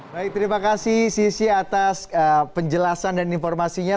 baik terima kasih sisi atas penjelasan dan informasinya